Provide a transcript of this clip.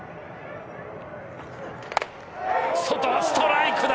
外ストライクだ。